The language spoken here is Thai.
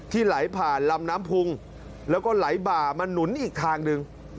ไหลผ่านลำน้ำพุงแล้วก็ไหลบ่ามาหนุนอีกทางหนึ่ง